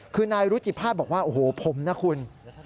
คือนายรุจิภาษณ์บอกว่าโอ้โหผมนะคุณ